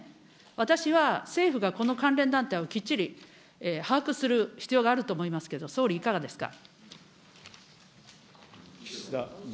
私は政府がこの関連団体をきっちり把握する必要があると思いますけど、総理いかがですか。